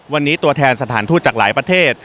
วันนี้ตัวแทนสถานทูตจากหลายประเทศ